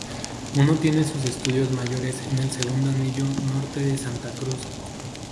Uno tiene sus estudios mayores en el segundo anillo norte de Santa Cruz.